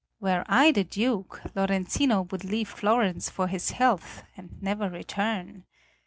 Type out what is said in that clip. Were I the Duke, Lorenzino would leave Florence for his health and never return.